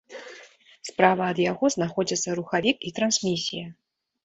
Справа ад яго знаходзяцца рухавік і трансмісія.